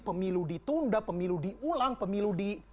pemilu ditunda pemilu diulang pemilu di